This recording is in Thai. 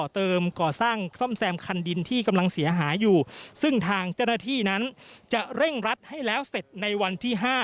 ที่นั้นจะเร่งรัดให้แล้วเสร็จในวันที่๕